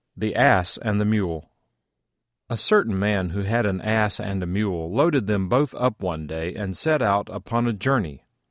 THE ASS AND THE MULE A certain man who had an Ass and a Mule loaded them both up one day and set out upon a journey.